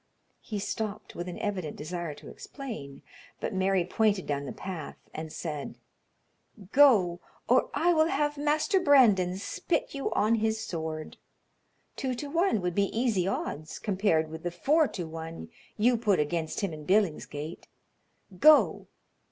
He stopped, with an evident desire to explain, but Mary pointed down the path and said: "Go, or I will have Master Brandon spit you on his sword. Two to one would be easy odds compared with the four to one you put against him in Billingsgate. Go!"